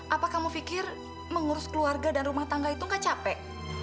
apa kamu pikir mengurus keluarga dan rumah tangga itu gak capek